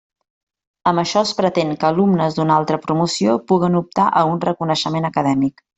Amb això, es pretén que alumnes d'una altra promoció puguen optar a un reconeixement acadèmic.